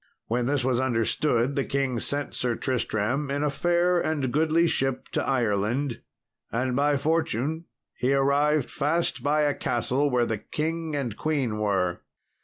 When this was understood, the king sent Sir Tristram in a fair and goodly ship to Ireland, and by fortune he arrived fast by a castle where the king and queen were.